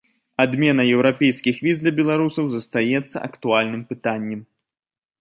Адмена еўрапейскіх віз для беларусаў застаецца актуальным пытаннем.